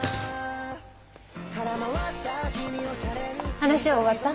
話は終わった？